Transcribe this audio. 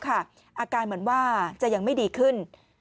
อาการเหมือนว่าจะยังไม่ดีขึ้น